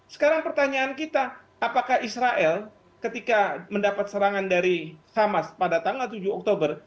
sekarang pertanyaan kita apakah israel ketika mendapat serangan dari hamas pada tanggal tujuh oktober